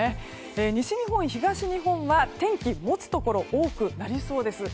西日本、東日本は天気もつところが多くなりそうです。